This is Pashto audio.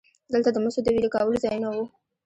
دلته د مسو د ویلې کولو ځایونه وو